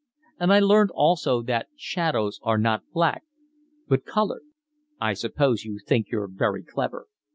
And I learned also that shadows are not black but coloured." "I suppose you think you're very clever.